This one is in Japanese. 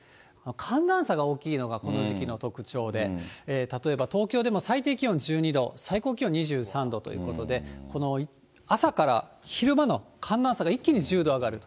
寒暖差が大きいのがこの時期の特徴で、例えば東京でも最低気温１２度、最高気温２３度ということで、この朝から昼間の寒暖差が、一気に１０度上がる。